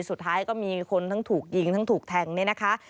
สุดท้ายก็มีคนทั้งถูกยิงทั้งถูกแทงเนี่ยนะคะ